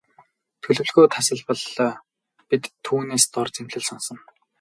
Төлөвлөгөө тасалбал бид түүнээс дор зэмлэл сонсоно.